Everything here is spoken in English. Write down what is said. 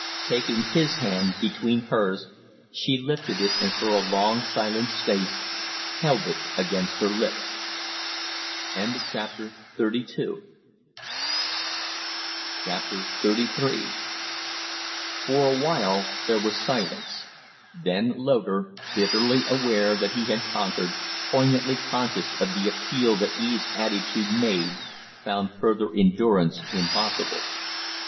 Taking his hand between hers, she lifted it and for a long, silent space held it against her lips. XXXIII For a while there was silence; then Loder, bitterly aware that he had conquered, poignantly conscious of the appeal that Eve's attitude made, found further endurance impossible.